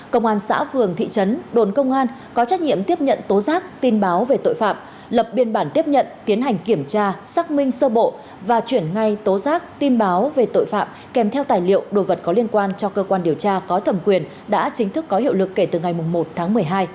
công an xã phường thị trấn đồn công an có trách nhiệm tiếp nhận tố giác tin báo về tội phạm lập biên bản tiếp nhận tiến hành kiểm tra xác minh sơ bộ và chuyển ngay tố giác tin báo về tội phạm kèm theo tài liệu đồ vật có liên quan cho cơ quan điều tra có thẩm quyền đã chính thức có hiệu lực kể từ ngày một tháng một mươi hai